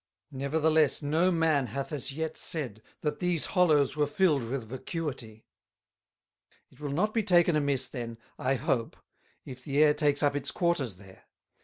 Nevertheless no Man hath as yet said, that these Hollows were filled with Vacuity: It will not be taken amiss then, I hope, if the Air takes up its quarters there.